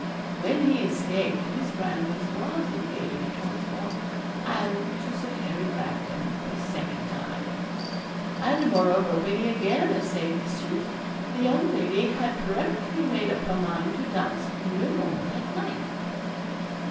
When he escaped, Miss Brandon was engaged once more and to Sir Harry Bracton, for a second time. And moreover, when he again essayed his suit, the young lady had peremptorily made up her mind to dance no more that night.